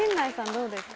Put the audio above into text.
どうですか？